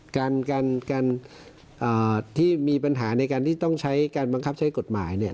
การการที่มีปัญหาในการที่ต้องใช้การบังคับใช้กฎหมายเนี่ย